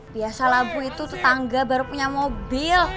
biasalah bu itu tetangga baru punya mobil